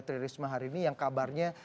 tri risma hari ini yang kabarnya